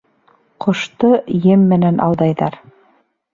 Ҡошто ем менән алдайҙар.